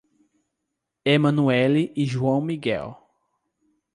Emanuelly e João Miguel